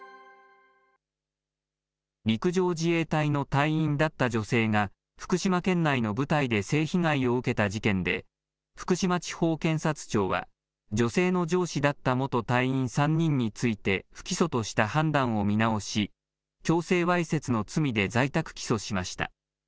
陸上自衛隊の隊員だった女性が、福島県内の部隊で性被害を受けた事件で、福島地方検察庁は、女性の上司だった元隊員３人について、不起訴とした判断を見直し、強制わいせつの罪で在宅起訴しました。